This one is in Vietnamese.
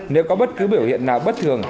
nếu có bất cứ biểu hiện nào bất thường